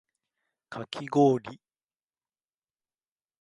かき氷